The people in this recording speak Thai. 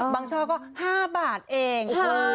ช่อก็๕บาทเอง